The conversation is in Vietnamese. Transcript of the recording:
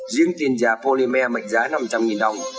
riêng tiền giả polymer mệnh giá năm trăm linh đồng